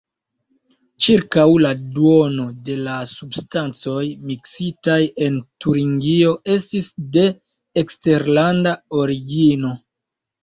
Ĉirkaŭ la duono de la substancoj miksitaj en Turingio estis de eksterlanda origino.